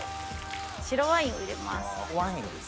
白ワインを入れます。